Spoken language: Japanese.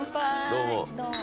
どうも。